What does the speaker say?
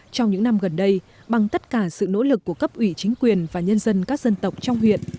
trong những năm gần đây bằng tất cả sự nỗ lực của cấp ủy chính quyền và nhân dân các dân tộc trong huyện